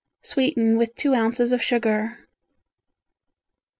Sweeten with two ounces of sugar.